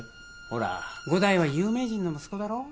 ほら伍代は有名人の息子だろ